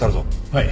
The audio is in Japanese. はい。